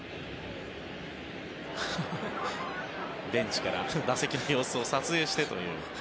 ベンチから打席の様子を撮影してという。